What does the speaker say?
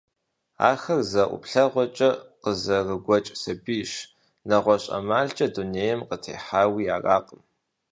Ахэр зэ ӀуплъэгъуэкӀэ къызэрыгуэкӀ сабийщ, нэгъуэщӀ ӀэмалкӀэ дунейм къытехьауи аракъым.